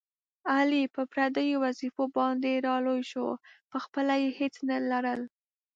علي په پردیو وظېفو باندې را لوی شو، په خپله یې هېڅ نه لرل.